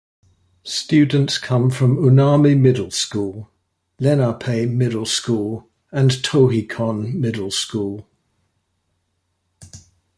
Students come from Unami Middle School, Lenape Middle School, and Tohickon Middle School.